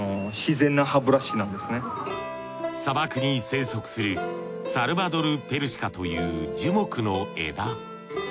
砂漠に生息するサルバドル・ペルシカという樹木の枝。